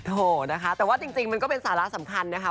โถนะคะแต่ว่าจริงมันก็เป็นสาระสำคัญนะคะ